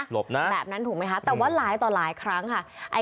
บหน้าแบบนั้นถูกไหมคะแต่ว่าหลายต่อหลายครั้งค่ะ